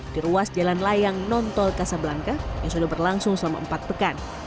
di ruas jalan layang nontol kasablangka yang sudah berlangsung selama empat pekan